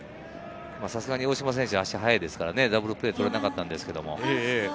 さすがに大島選手は足速いですから、ダブルプレー取れなかったですけど。